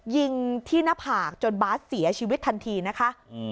ยิงที่หน้าผากจนบาสเสียชีวิตทันทีนะคะ